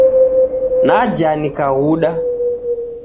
Naja nikaghuda.